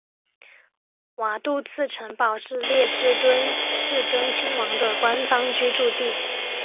瓦杜茨城堡是列支敦士登亲王的官方居住地。